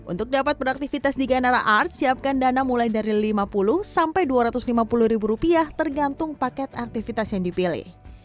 untuk dapat beraktivitas di ganara art siapkan dana mulai dari lima puluh sampai dua ratus lima puluh ribu rupiah tergantung paket aktivitas yang dipilih